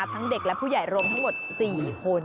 เด็กและผู้ใหญ่รวมทั้งหมด๔คน